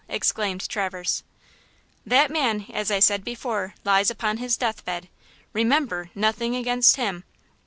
exclaimed Traverse. "That man, as I said before, lies upon his deathbed! Remember, nothing against him!